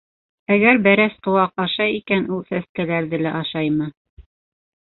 Әгәр бәрәс ҡыуаҡ ашай икән, ул сәскәләрҙе лә ашаймы?